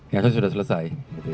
ya itu sudah selesai